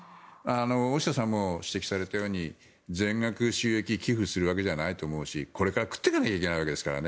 大下さんも指摘されたように全額収益を寄付するわけじゃないと思うしこれから食っていかなきゃいけないわけですからね。